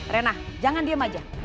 reina jangan diem aja